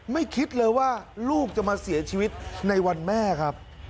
คิดเลยว่าลูกจะมาเสียชีวิตในวันแม่ครับ